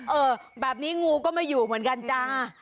เออแบบนี้งูก็ไม่อยู่เหมือนกันจ้า